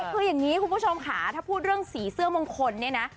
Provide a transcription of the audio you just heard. คืออย่างนี้คุณผู้ชมค่ะถ้าพูดเรื่องสีเสื้อมงคลเนี่ยนะ